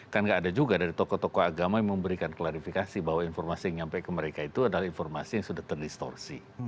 kan nggak ada juga dari tokoh tokoh agama yang memberikan klarifikasi bahwa informasi yang nyampe ke mereka itu adalah informasi yang sudah terdistorsi